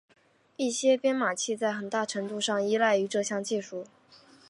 一些编码器在很大程度上依赖于这项技术。